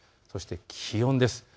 気温です。